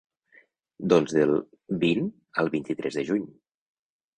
Doncs del vint al vint-i-tres de juny.